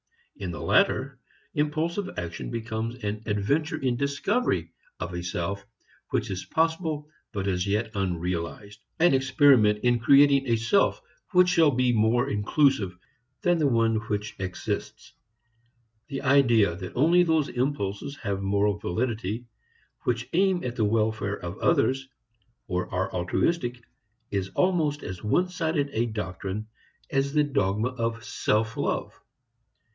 In the latter, impulsive action becomes an adventure in discovery of a self which is possible but as yet unrealized, an experiment in creating a self which shall be more inclusive than the one which exists. The idea that only those impulses have moral validity which aim at the welfare of others, or are altruistic, is almost as one sided a doctrine as the dogma of self love.